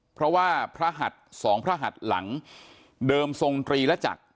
เพราะว่าพระหัดสองพระหัดหลังเดิมทรงตรีและจักร